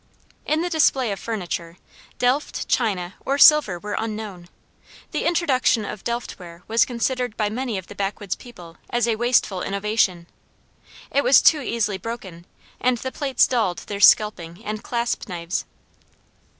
In the display of furniture, delft, china, or silver were unknown; the introduction of delft ware was considered by many of the backwoods people as a wasteful innovation; it was too easily broken, and the plates dulled their scalping and clasp knives.